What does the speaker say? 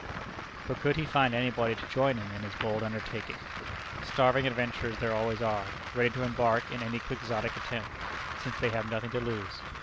But could he find anybody to join him in his bold undertaking? Starving adventurers there always are, ready to embark in any Quixotic attempt, since they have nothing to lose.